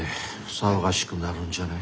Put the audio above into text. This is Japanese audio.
騒がしくなるんじゃない？